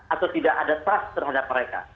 atau tidak ada trust terhadap mereka